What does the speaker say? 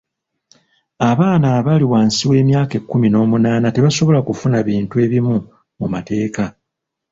Abaana abali wansi w'emyaka ekkumi n'omunaana tebasobola kufuna bintu ebimu mu mateeka.